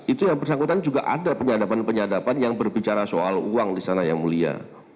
itu yang bersangkutan juga ada penyadapan penyadapan yang berbicara soal uang disana ya mulia